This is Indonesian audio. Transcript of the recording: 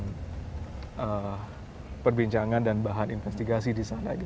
bahan perbincangan dan bahan investigasi disana